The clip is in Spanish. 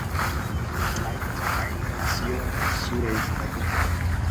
Alan Lyle-Smythe nació en Surrey, Inglaterra.